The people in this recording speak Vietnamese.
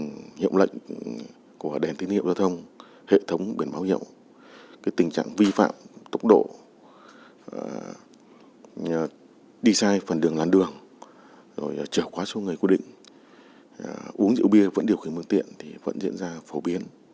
tình trạng hiệu lệnh của đèn tín hiệu giao thông hệ thống biển báo hiệu tình trạng vi phạm tốc độ đi sai phần đường làn đường trở qua số người quy định uống rượu bia vẫn điều khiển mương tiện thì vẫn diễn ra phổ biến